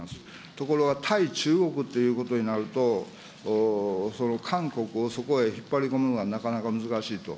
ところが対中国っていうことになると、韓国をそこへ引っ張り込むのはなかなか難しいと。